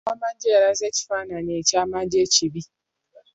Ow'amagye alaze ekifaananyi ky'amagye ekibi.